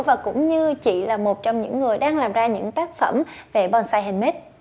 và cũng như chị là một trong những người đang làm ra những tác phẩm về bonsai handmade